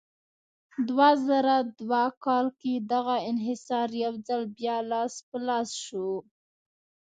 دوه زره دوه کال کې دغه انحصار یو ځل بیا لاس په لاس شو.